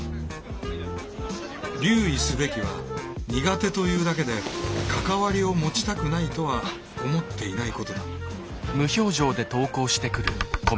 留意すべきは苦手というだけで関わりを持ちたくないとは思っていないことだ。